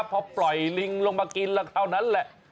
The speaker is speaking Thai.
พอปล่อยลิงลงมากินแล้วเท่านั้นแหละ